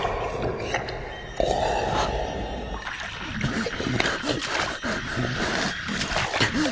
あっ。